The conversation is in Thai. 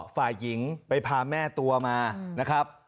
ฝ่ายหญิงไปพาแม่ตัวมา